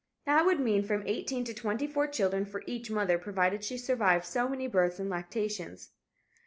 That would mean from eighteen to twenty four children for each mother, provided she survived so many births and lactations.